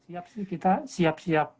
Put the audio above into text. siap sih kita siap siap